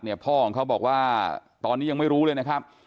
พ่อของเขาบอกว่าตอนนี้ยังไม่รู้เลยนะครับ